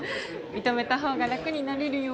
認めた方が楽になれるよ。